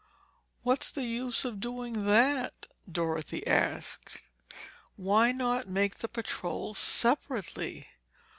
"What's the use of doing that?" Dorothy asked. "Why not make the patrols separately?